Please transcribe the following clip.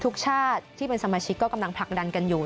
ชาติที่เป็นสมาชิกก็กำลังผลักดันกันอยู่